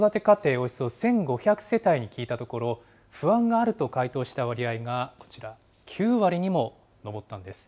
およそ１５００世帯に聞いたところ、不安があると回答した割合がこちら、９割にも上ったんです。